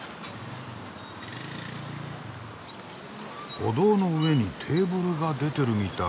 歩道の上にテーブルが出てるみたい。